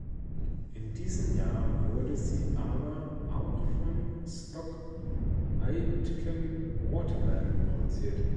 In diesem Jahr wurde sie aber auch von Stock Aitken Waterman produziert.